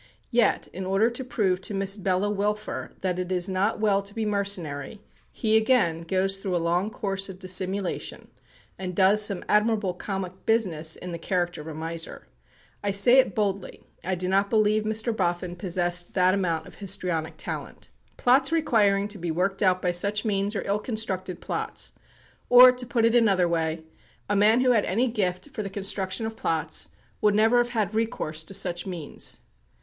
Yet, in order to prove to Miss Bella Wilfer that it is not well to be mercenary, he, again, goes through a long course of dissimulation, and does some admirable comic business in the character of a miser. I say it boldly, I do not believe Mr. Boffin possessed that amount of histrionic talent. Plots requiring to be worked out by such means are ill constructed plots; or, to put it in another way, a man who had any gift for the construction of plots would never have had recourse to such means.